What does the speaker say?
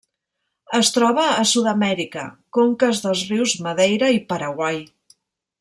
Es troba a Sud-amèrica: conques dels rius Madeira i Paraguai.